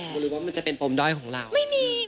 ไม่รู้ว่ามันจะเป็นปมด้อยของเรา